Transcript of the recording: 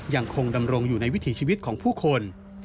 ยังคงดำรงอยู่ในวิถีชีวิตของผู้คน